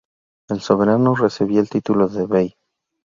El soberano recibía el título de bey.